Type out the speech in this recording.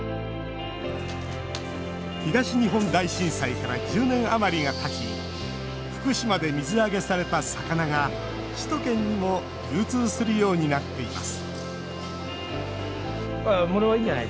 東日本大震災から１０年余りがたち福島で水揚げされた魚が首都圏にも流通するようになっています